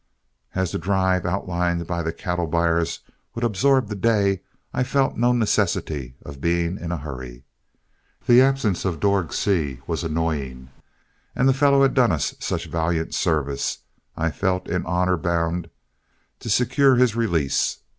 As the drive outlined by the cattle buyers would absorb the day, I felt no necessity of being in a hurry. The absence of Dorg Seay was annoying, and the fellow had done us such valiant service, I felt in honor bound to secure his release.